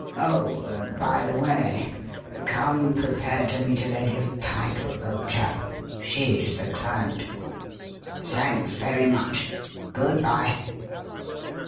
Oh, by the way, come prepared to meet a lady of title, old chap she's the client. Thanks very much. Good bye."